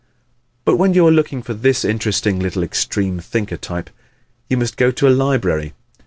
But when you are looking for this interesting little extreme thinker type you must go to a library.